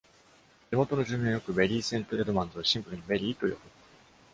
地元の住民はよく、ベリー・セント・エドマンズをシンプルに「ベリー」と呼ぶ。